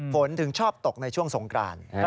ถึงชอบตกในช่วงสงกราน